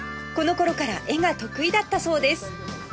この頃から絵が得意だったそうです